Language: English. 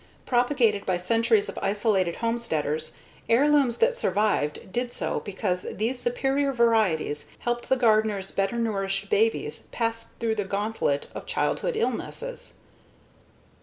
Propagated by centuries of isolated homesteaders, heirlooms that survived did so because these superior varieties helped the gardeners' better nourished babies pass through the gauntlet of childhood illnesses.